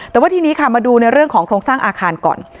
แต่ว่าทีนี้ค่ะมาดูในเรื่องของโครงสร้างอาคารก่อน